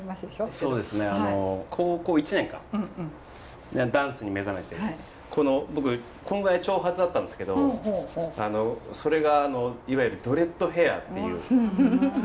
そうですねあの高校１年かダンスに目覚めてこの僕こんぐらいの長髪だったんですけどそれがいわゆるドレッドヘアっていう。